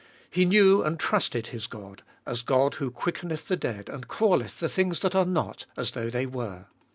He knew and trusted his God, as God who quickeneth the dead and calleth the things that are not as though they were.